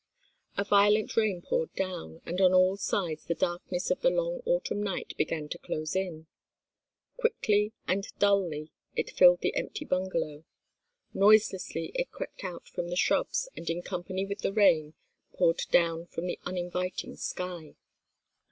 A violent rain poured down, and on all sides the darkness of the long Autumn night began to close in. Quickly and dully it filled the empty bungalow: noiselessly it crept out from the shrubs and in company with the rain, poured down from the uninviting sky.